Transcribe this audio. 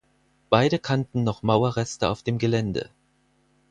Beide kannten noch Mauerreste auf dem Gelände.